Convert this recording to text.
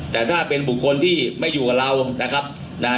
แต่ถ้าเป็นบุคคลที่ไม่อยู่กับเรา